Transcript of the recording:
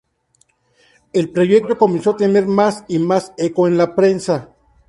El proyecto comenzó a tener más y más eco en prensa.